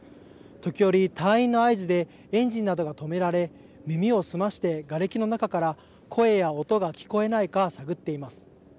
時折、隊員の合図でエンジンなどが止められ耳を澄まして、がれきの中から声や音が聞こえないか探っています。